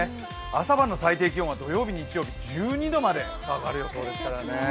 朝晩の最低気温は土曜日、日曜日は１２度まで下がる予想ですからね。